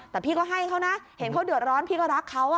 แต่พี่ก็ให้เขานะเห็นเขาเดือดร้อนพี่ก็รักเขา